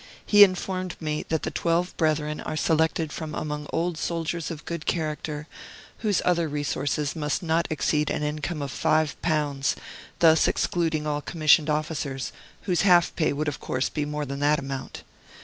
He informed me that the twelve brethren are selected from among old soldiers of good character, whose other resources must not exceed an income of five pounds; thus excluding all commissioned officers, whose half pay would of course be more than that amount.